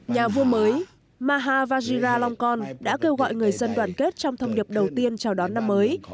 nhà vua mới maha vajira longkon đã kêu gọi người dân đoàn kết trong thông điệp đầu tiên chào đón năm mới